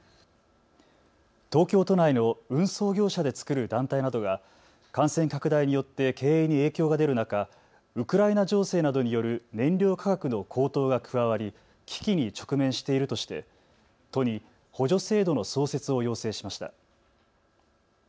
東京都内の運送業者で作る団体などが感染拡大によって経営に影響が出る中、ウクライナ情勢などによる燃料価格の高騰が加わり危機に直面しているとして都に補助制度の創設を要請しました。